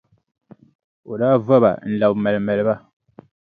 O daa va ba n-labi maalimaali ba,